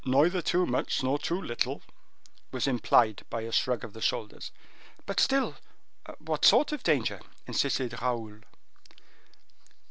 "Neither too much nor too little," was replied by a shrug of the shoulders. "But still, what sort of danger?" insisted Raoul.